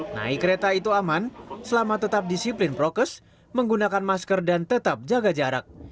naik kereta itu aman selama tetap disiplin prokes menggunakan masker dan tetap jaga jarak